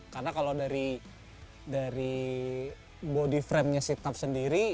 karena kalau dari body frame nya seat top sendiri